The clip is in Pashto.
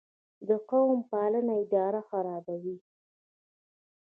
قوم پالنه اداره خرابوي